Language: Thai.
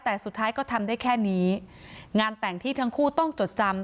แต่สุดท้ายก็ทำได้แค่นี้งานแต่งที่ทั้งคู่ต้องจดจำ